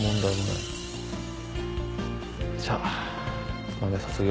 じゃあ。